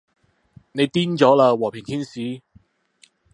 你癲咗喇，和平天使